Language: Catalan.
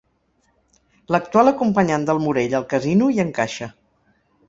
L'actual acompanyant del Morell al casino hi encaixa.